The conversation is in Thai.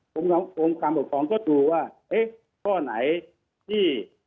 องค์การปกครองก็ดูว่าเอ๊ะข้อไหนที่